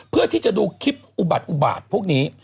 เพื่อที่จะดูคลิปอุบัติอุบาตพวกนี้